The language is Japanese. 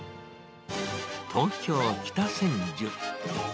東京・北千住。